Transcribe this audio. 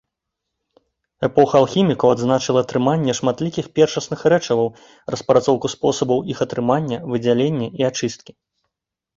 Эпоха алхімікаў адзначыла атрыманне шматлікіх першасных рэчываў, распрацоўку спосабаў іх атрымання, выдзялення і ачысткі.